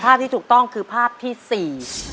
ภาพที่ถูกต้องคือภาพที่สี่